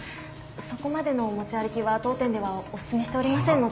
そこまでのお持ち歩きは当店ではおすすめしておりませんので